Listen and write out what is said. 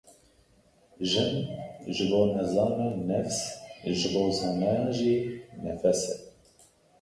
Jin ji bo nezanan nefs, ji bo zanayan jî nefes e.